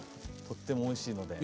とってもおいしいので。